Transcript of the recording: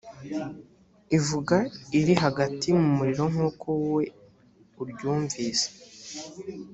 ivuga iri hagati mu muriro nk uko wowe uryumvise